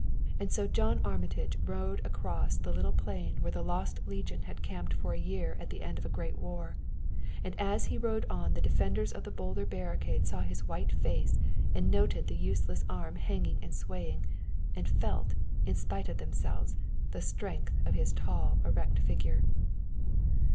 And so John Armitage rode across the little plain where the Lost Legion had camped for a year at the end of a great war; and as he rode on the defenders of the boulder barricade saw his white face and noted the useless arm hanging and swaying, and felt, in spite of themselves, the strength of his tall erect figure.